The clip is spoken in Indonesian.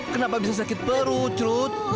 kenapa bisa sakit perut celut